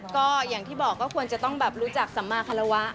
ก็อย่างที่บอกก็ควรจะต้องแบบรู้จักสัมมาคารวะ